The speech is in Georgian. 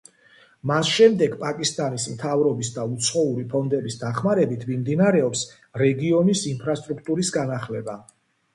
მას შემდეგ პაკისტანის მთავრობის და უცხოური ფონდების დახმარებით მიმდინარეობს რეგიონის ინფრასტრუქტურის განახლება.